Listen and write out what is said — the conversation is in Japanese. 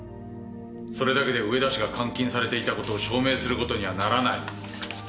それだけで上田氏が監禁されていたことを証明することにはならない。